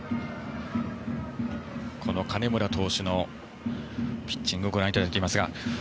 金村投手のピッチングをご覧いただいていますが。